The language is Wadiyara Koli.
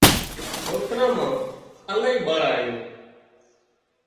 سوڪران مان الاهي ٻۯ آيون